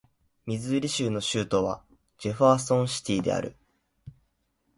ミズーリ州の州都はジェファーソンシティである